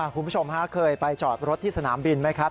คุณผู้ชมฮะเคยไปจอดรถที่สนามบินไหมครับ